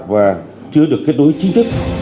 và chưa được kết nối chính thức